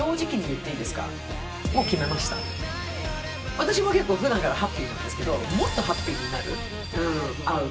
私も結構普段からハッピーなんですけどもっとハッピーになる会うと。